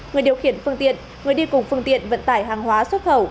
người điều khiển phương tiện người đi cùng phương tiện vận tải hàng hóa xuất khẩu